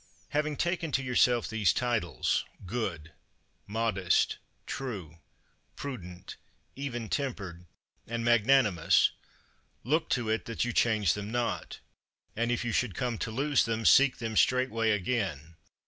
8. Having taken to yourself these titles: good, modest, true, prudent, even tempered and magnanimous, look to it that you change them not; and, if you should come to lose them, seek them straightway again.